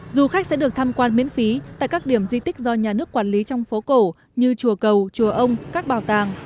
du khách sẽ được tham quan miễn phí tại các điểm di tích do nhà nước quản lý trong phố cổ như chùa cầu chùa ông các bảo tàng